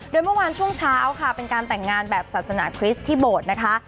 โดยเมื่อวานช่วงเช้าค่ะเป็นการแต่งงานแบบศาสนาคริสต์ที่โบสถ์นะคะ